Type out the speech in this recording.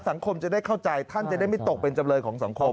สังคมจะได้เข้าใจท่านจะได้ไม่ตกเป็นจำเลยของสังคม